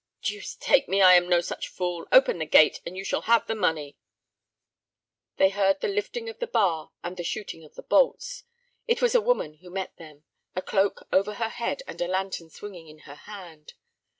"Deuce take me, I am no such fool. Open the gate, and you shall have the money." They heard the lifting of the bar and the shooting of the bolts. It was a woman who met them—a cloak over her head and a lantern swinging in her hand.